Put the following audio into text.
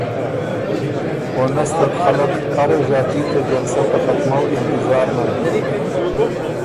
او نستک خلق اره ݫاتی ته جلسه ته ختمَؤ انتظار نر بیوک